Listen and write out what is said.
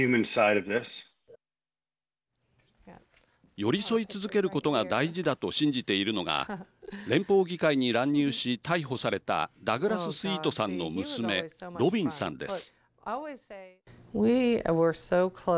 寄り添い続けることが大事だと信じているのが連邦議会に乱入し逮捕されたダグラス・スイートさんの娘ロビンさんです。